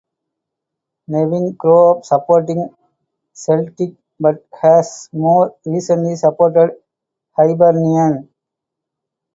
Nevin grew up supporting Celtic, but has more recently supported Hibernian.